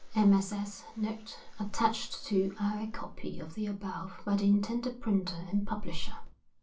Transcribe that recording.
MSS. NOTE attached to our copy of the above by the intended Printer and Publisher.